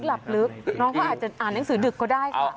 หลับลึกน้องก็อาจจะอ่านหนังสือดึกก็ได้ค่ะ